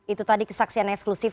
itu tadi kesaksian eksklusif